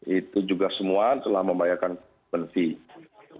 itu juga semua telah membayarkan fee